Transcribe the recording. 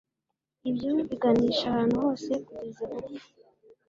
ibyo biganisha ahantu hose, kugeza gupfa